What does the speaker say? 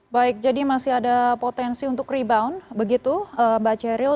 baik jadi masih ada potensi untuk rebound begitu mbak ceril